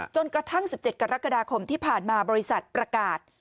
จนกระทั่ง๑๗กรกฎาคมที่ผ่านมาบริษัทประกาศ